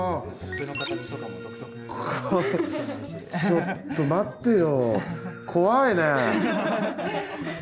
ちょっと待ってよ。